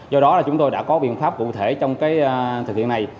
do đó là chúng tôi đã có biện pháp cụ thể trong thực hiện này